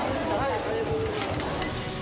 ありがとうございます。